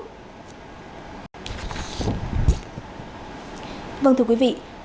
tham ô tiền hỗ trợ hộ nghèo